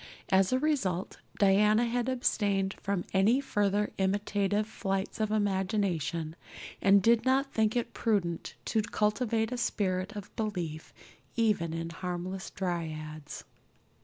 As a result Diana had abstained from any further imitative flights of imagination and did not think it prudent to cultivate a spirit of belief even in harmless dryads.